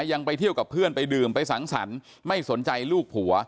ยังไปเที่ยวกับเพื่อนไปดื่มไปสังสรรค์ไม่สนใจลูกผัว